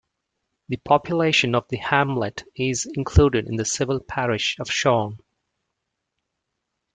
The population of the hamlet is included in the civil parish of Shorne.